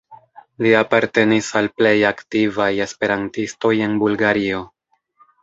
Li apartenis al plej aktivaj esperantistoj en Bulgario.